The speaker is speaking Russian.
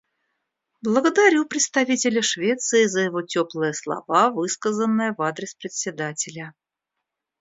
Благодарю представителя Швеции за его теплые слова, высказанные в адрес Председателя.